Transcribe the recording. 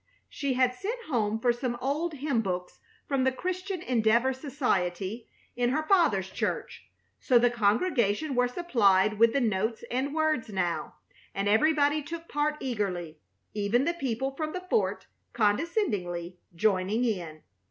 She had sent home for some old hymn books from the Christian Endeavor Society in her father's church, so the congregation were supplied with the notes and words now, and everybody took part eagerly, even the people from the fort condescendingly joining in.